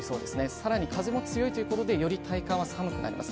更に風も強いということでより体感は寒くなります。